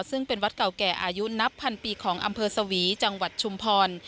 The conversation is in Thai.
ซึ่งเป็นวัดเก่าแก่อายุนับพันปีของอำเภอสวีจังหวัดชุมพร